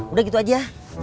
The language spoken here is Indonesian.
udah gitu aja